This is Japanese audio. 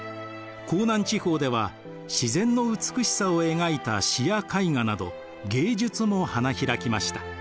江南地方では自然の美しさを描いた詩や絵画など芸術も花開きました。